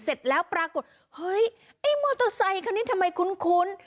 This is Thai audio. เสร็จแล้วปรากฏเฮ้ยไอ้มอเตอร์ไซคันนี้ทำไมคุ้น